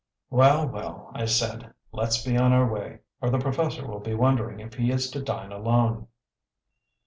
"Well, well," I said, "let's be on our way, or the professor will be wondering if he is to dine alone."